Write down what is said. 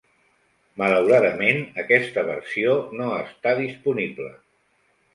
Malauradament, aquesta versió no està disponible.